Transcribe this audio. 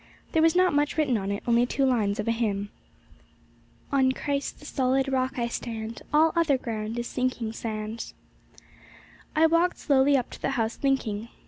There was not much written on it, only two lines of a hymn: 'On Christ, the solid Rock, I stand, All other ground is sinking sand.' I walked slowly up to the house thinking.